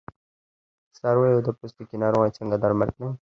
د څارویو د پوستکي ناروغۍ څنګه درمل کړم؟